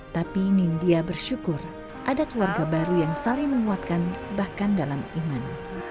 tapi nindya bersyukur ada keluarga baru yang saling menguatkan bahkan dalam iman